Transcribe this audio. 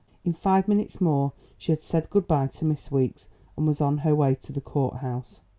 In five minutes more she had said good bye to Miss Weeks and was on her way to the courthouse.